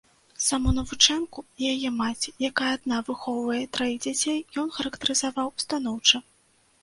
Саму навучэнку і яе маці, якая адна выхоўвае траіх дзяцей, ён характарызаваў станоўча.